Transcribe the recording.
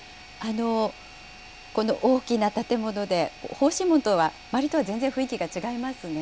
この大きな建物で奉神門とは、周りとは雰囲気が違いますね。